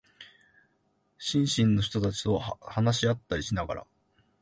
新進の人たちと話し合ったりしながら、